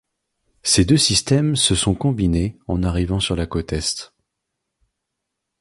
Ces deux systèmes se sont combinés en arrivant sur la côte est.